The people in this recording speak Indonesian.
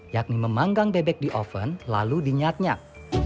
yakni memanggang bebek di oven lalu dinyat nyak